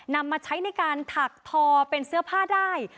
นำมาใช้ในการถักทอเป็นเสื้อผ้าได้